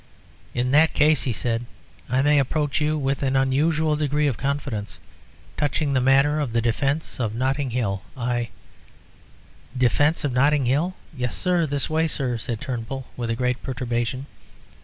"In that case," he said, "I may approach you with an unusual degree of confidence. Touching the matter of the defence of Notting Hill, I " "Defence of Notting Hill? Yes, sir. This way, sir," said Turnbull, with great perturbation.